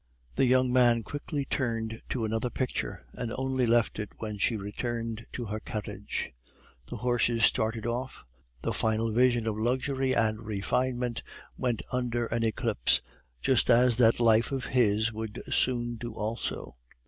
The young man quickly turned to another picture, and only left it when she returned to her carriage. The horses started off, the final vision of luxury and refinement went under an eclipse, just as that life of his would soon do also.